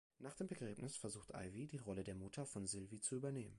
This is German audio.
Nach dem Begräbnis versucht Ivy, die Rolle der Mutter von Sylvie zu übernehmen.